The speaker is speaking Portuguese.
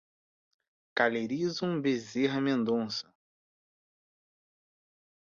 Calerison Bezerra Mendonca